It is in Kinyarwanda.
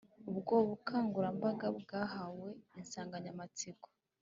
Ubwo bukangurambaga bwahawe insanganyamatsiko